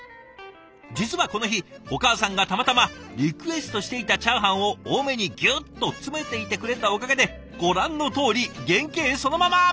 実はこの日お母さんがたまたまリクエストしていたチャーハンを多めにぎゅっと詰めていてくれたおかげでご覧のとおり原形そのまま！